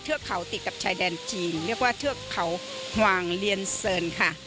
เทือกเขาติดกับชายแดนจีนเรียกว่าเทือกเขาวางเลียนเซินค่ะ